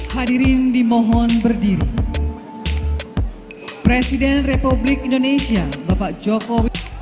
hai hadirin dimohon berdiri presiden republik indonesia bapak joko